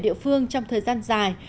địa phương trong thời gian dài